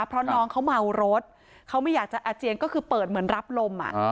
เพราะน้องเขาเมารถเขาไม่อยากจะอาเจียนก็คือเปิดเหมือนรับลม